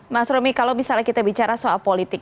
mas romi kalau misalnya kita bicara soal politik